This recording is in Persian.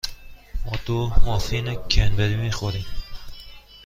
ما دو مافین کرنبری می خوریم.